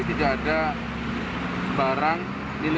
itu tapi saya nggak memegang megang